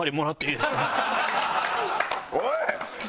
おい！